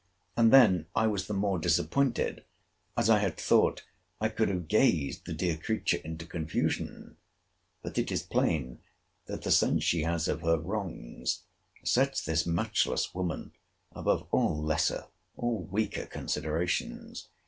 And then I was the more disappointed, as I had thought I could have gazed the dear creature into confusion—but it is plain, that the sense she has of her wrongs sets this matchless woman above all lesser, all weaker considerations.